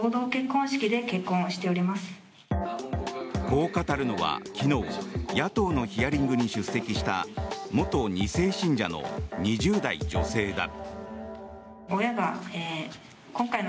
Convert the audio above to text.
こう語るのは昨日野党のヒアリングに出席した元２世信者の２０代女性だ。